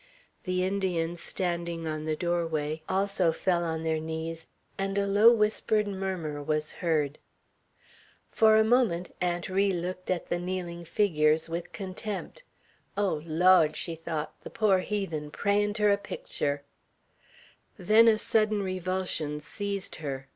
The Indians, standing on the doorway, also fell on their knees, and a low whispered murmur was heard. For a moment Aunt Ri looked at the kneeling figures with contempt. "Oh, Lawd!" she thought, "the pore heathen, prayin' ter a picter!" Then a sudden revulsion seized her.